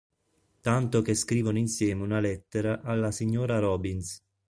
Tanto che scrivono insieme una lettera alla signora Robins.